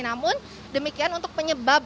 namun demikian untuk penyebab